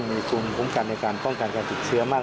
สมมุติกลุ่มคุ้มกันในการป้องกันการติดเชื้อมักมาก